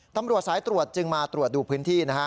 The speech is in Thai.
ตำรวจสายตรวจจึงมาตรวจดูพื้นที่นะฮะ